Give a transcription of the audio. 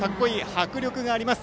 迫力があります。